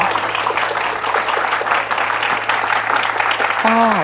ขอบคุณครับ